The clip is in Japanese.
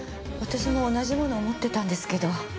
私も同じものを持ってたんですけど。